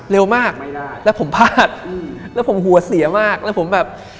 เร็วมากไม่ได้แล้วผมพลาดอืมแล้วผมหัวเสียมากแล้วผมแบบ